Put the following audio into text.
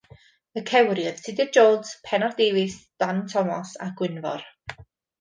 Y cewri oedd Tudur Jones, Pennar Davies, Dan Thomas a Gwynfor.